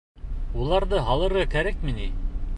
Уларҙы һалырға кәрәкме ни?